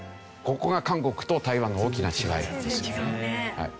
ここが韓国と台湾の大きな違いなんです。